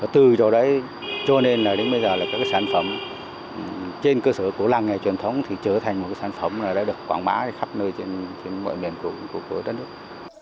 từ chỗ đấy cho nên là đến bây giờ là các sản phẩm trên cơ sở của làng nghề truyền thống thì trở thành một sản phẩm đã được quảng bá khắp nơi trên mọi miền của đất nước